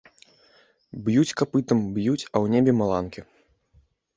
Б'юць капытам, б'юць, а ў небе маланкі!